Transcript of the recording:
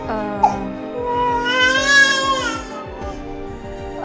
jadi waktu itu